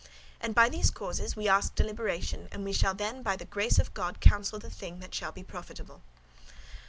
And by these causes we ask deliberation and we shall then by the grace of God counsel the thing that shall be profitable."